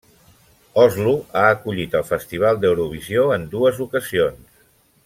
Oslo ha acollit el Festival d'Eurovisió en dues ocasions.